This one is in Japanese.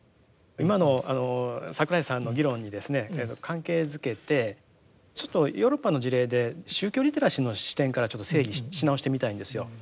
今の櫻井さんの議論にですね関係づけてちょっとヨーロッパの事例で宗教リテラシーの視点からちょっと整理し直してみたいんですよ。